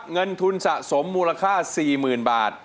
เงินทุนสะสมมูลค่า๔๐๐๐บาท